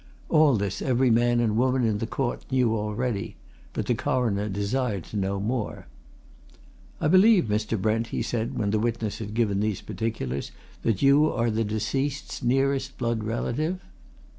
All this every man and woman in the court knew already but the Coroner desired to know more. "I believe, Mr. Brent," he said, when the witness had given these particulars, "that you are the deceased's nearest blood relative?"